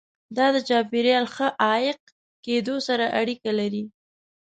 دا د چاپیریال ښه عایق کېدو سره اړیکه لري.